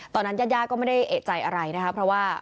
ตอนนั้นยาก็ไม่ได้เอกใจอะไรนะเพราะว่า